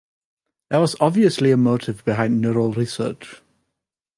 There was obviously a motive behind neutral research.